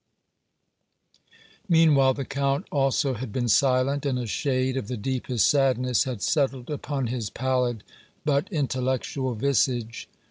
Meanwhile the Count also had been silent, and a shade of the deepest sadness had settled upon his pallid but intellectual visage.